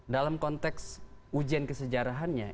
dalam konteks ujian kesejarahannya